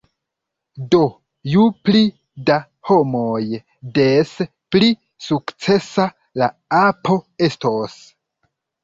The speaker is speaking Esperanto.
Do, ju pli da homoj, des pli sukcesa la apo estos